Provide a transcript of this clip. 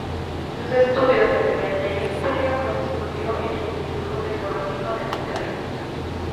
Sus estudios a nivel Medio Superior los estudió en el Instituto Tecnológico de Monterrey.